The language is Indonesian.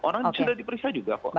orang sudah diperiksa juga kok